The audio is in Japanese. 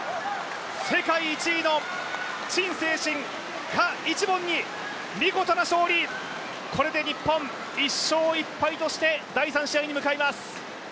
世界１位の陳清晨・賈一凡に見事な勝利、これで日本１勝１敗として第３試合に向かいます。